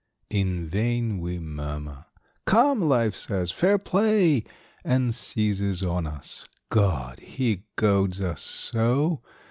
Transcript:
In vain we murmur; "Come," Life says, "Fair play!" And seizes on us. God! he goads us so!